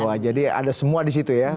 wah jadi ada semua di situ ya